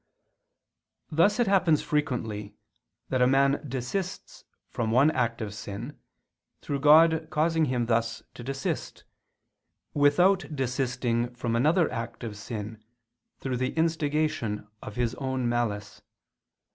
Thus it happens frequently that a man desists from one act of sin, through God causing him thus to desist, without desisting from another act of sin, through the instigation of his own malice.